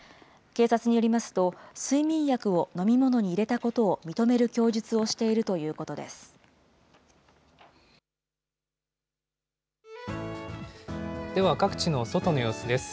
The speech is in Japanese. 警察によりますと、睡眠薬を飲み物に入れたことを認める供述をしでは各地の外の様子です。